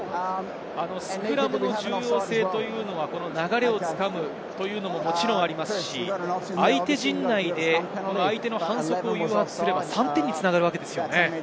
スクラムの重要性は流れをつかむというのも、もちろんありますし、相手陣内で相手の反則を誘発すれば、３点に繋がるわけですよね。